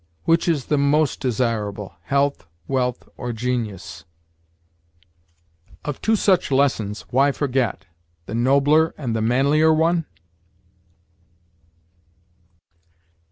"Which is the most desirable, health, wealth, or genius?" "Of two such lessons, why forget The nobler and the manlier one?"